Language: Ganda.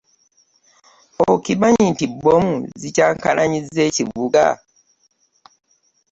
Okimanyi nti bbomu zikyankalanyiza ekibugga.